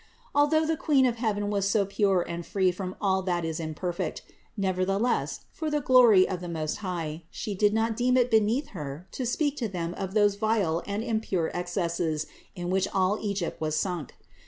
Although the Queen of heaven was so pure and free from all that is imperfect, nevertheless, for the glory of the Most High, She did not deem it beneath Her to speak to them of those vile and impure excesses in which all Egypt was sunk.